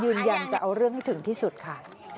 ยืนยันจะเอาเรื่องให้ถึงที่สุดค่ะ